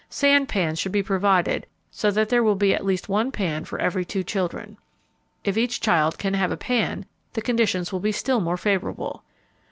Sand pans should be provided so that there will be at least one pan for every two children. If each child can have a pan, the conditions will be still more favorable.